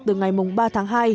từ ngày mùng ba tháng hai